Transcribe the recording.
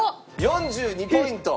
４２ポイント。